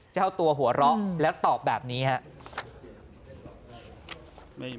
เจ้าตัวหัวเราะแล้วตอบแบบนี้ครับ